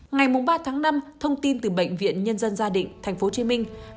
ngày ba năm thông tin từ bệnh viện nhân dân gia đình tp hcm